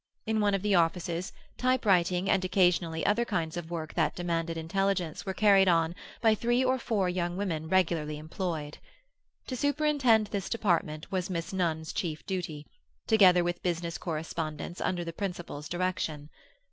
In one of the offices, typewriting and occasionally other kinds of work that demanded intelligence were carried on by three or four young women regularly employed. To superintend this department was Miss Nunn's chief duty, together with business correspondence under the principal's direction.